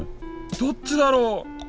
どっちだろ？